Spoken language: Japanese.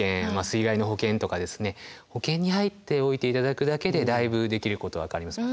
水害の保険とか保険に入っておいて頂くだけでだいぶできることは変わります。